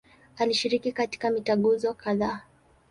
Alishiriki mitaguso kadhaa.